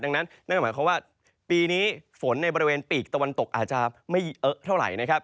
ดังนั้นนั่นก็หมายความว่าปีนี้ฝนในบริเวณปีกตะวันตกอาจจะไม่เยอะเท่าไหร่นะครับ